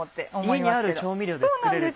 家にある調味料で作れる。